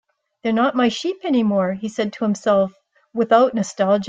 "They're not my sheep anymore," he said to himself, without nostalgia.